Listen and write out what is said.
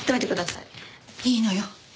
いいのよ。